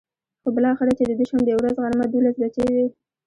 خو بلااخره چې د دوشنبې ورځ غرمه ،دولس بچې وې.